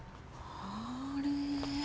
あれ。